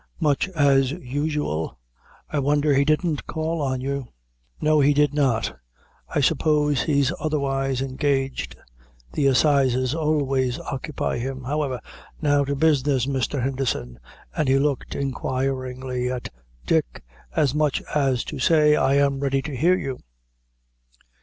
"Much as usual: I wonder he didn't call on you." "No, he did not, I suppose he's otherwise engaged the assizes always occupy him. However, now to business, Mr. Henderson;" and he looked inquiringly at Dick, as much as to say, I am ready to hear you.